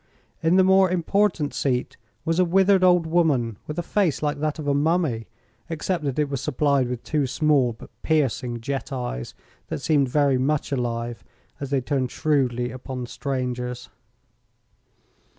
In the more important seat was a withered old woman with a face like that of a mummy, except that it was supplied with two small but piercing jet eyes that seemed very much alive as they turned shrewdly upon the strangers.